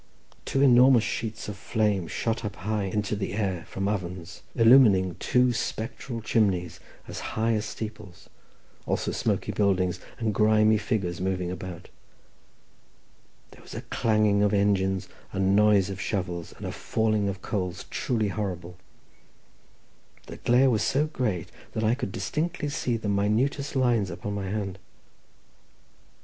Two enormous sheets of flame shot up high into the air from ovens, illumining two spectral chimneys as high as steeples, also smoky buildings, and grimy figures moving about. There was a clanging of engines, a noise of shovels and a falling of coals truly horrible. The glare was so great that I could distinctly see the minutest lines upon my hand.